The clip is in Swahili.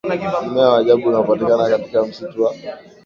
mmea wa ajabu unaopatikana katika msitu wa